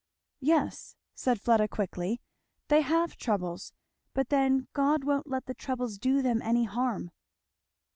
"Yes," said Fleda quickly, "they have troubles, but then God won't let the troubles do them any harm."